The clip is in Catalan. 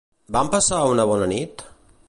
Van passar una bona nit?